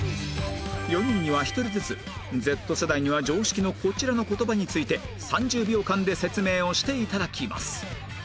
４人には１人ずつ Ｚ 世代には常識のこちらの言葉について３０秒間で説明をして頂きます